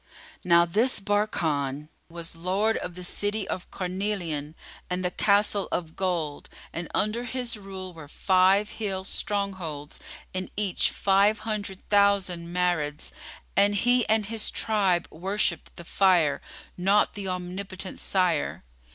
Now this Barkan was lord of the City of Carnelian and the Castle of Gold and under his rule were five hill strongholds, in each five hundred thousand Marids; and he and his tribe worshipped the Fire, not the Omnipotent Sire.